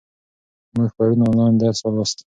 موږ پرون آنلاین درس ولوست.